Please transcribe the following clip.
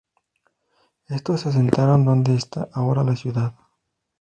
Estos se asentaron donde está ahora la ciudad.